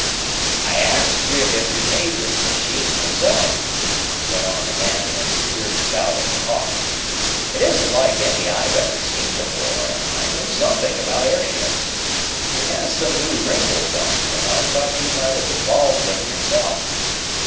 "I asked if you made this machine yourself," went on the man, as he peered about at the Hawk. "It isn't like any I've ever seen before, and I know something about airships. It has some new wrinkles on it, and I thought you might have evolved them yourself.